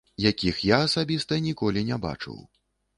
Якіх я асабіста ніколі не бачыў.